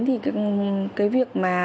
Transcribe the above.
thì cái việc mà